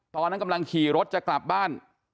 ตอนนั้นกำลังขี่รถจะกลับบ้าน